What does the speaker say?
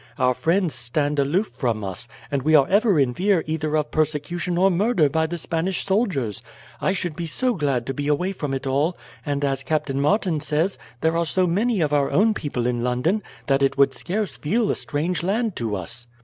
Our friends stand aloof from us, and we are ever in fear either of persecution or murder by the Spanish soldiers. I should be so glad to be away from it all; and, as Captain Martin says, there are so many of our own people in London, that it would scarce feel a strange land to us."